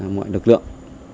mọi lực lượng